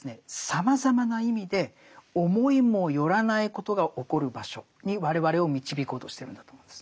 さまざまな意味で思いもよらないことが起こる場所に我々を導こうとしてるんだと思うんです。